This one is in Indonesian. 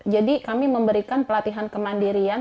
jadi kami memberikan pelatihan kemandirian